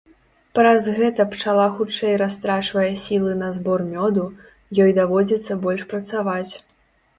Праз гэта пчала хутчэй растрачвае сілы на збор мёду, ёй даводзіцца больш працаваць.